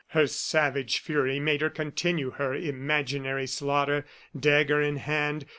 Her savage fury made her continue her imaginary slaughter, dagger in hand.